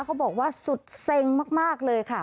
เขาบอกว่าสุดเซ็งมากเลยค่ะ